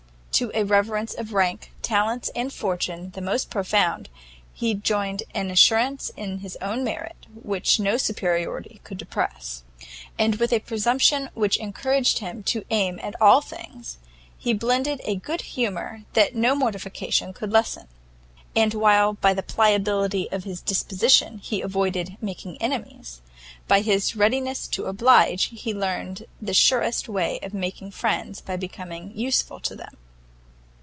To a reverence of rank, talents, and fortune the most profound, he joined an assurance in his own merit, which no superiority could depress; and with a presumption which encouraged him to aim at all things, he blended a good humour that no mortification could lessen. And while by the pliability of his disposition he avoided making enemies, by his readiness to oblige, he learned the surest way of making friends by becoming useful to them.